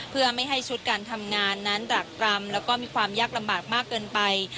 เพื่อไม่ให้ชุดการทำงานนั้นดรักปรำแล้วก็มีความยากลำบากมากเกินไป